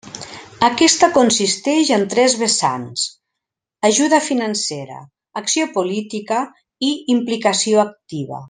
Aquesta consisteix en tres vessants: ajuda financera, acció política i implicació activa.